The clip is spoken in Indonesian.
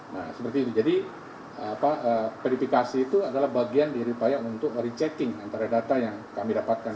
nah seperti itu jadi verifikasi itu adalah bagian dari upaya untuk rechecking antara data yang kami dapatkan